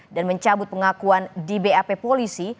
dan mencabut pengakuan di bap polisi